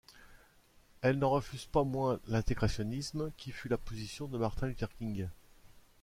Elle n’en refuse pas moins l’intégrationnisme qui fut la position de Martin Luther King.